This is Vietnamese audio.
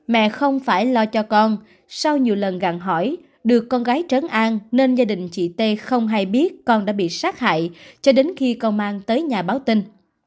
mẹ không phải lo cho con sau nhiều lần gặn hỏi được con gái trấn an nên gia đình chị t không hay biết con đã bị sát hại cho đến khi công an tới nhà báo tin